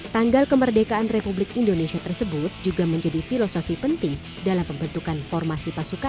tanggal kemerdekaan republik indonesia tersebut juga menjadi filosofi penting dalam pembentukan formasi pasukan